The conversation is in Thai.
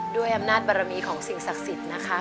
ด้วยอำนาจบารมีของสิ่งศักดิ์สิทธิ์นะคะ